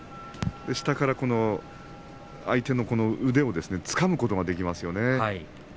下から相手の腕を、つかむことができますよね。